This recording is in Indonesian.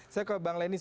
saya ke bang lenis